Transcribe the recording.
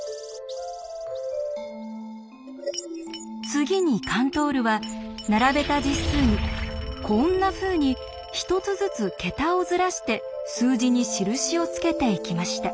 次にカントールは並べた実数にこんなふうに１つずつ桁をずらして数字に印をつけていきました。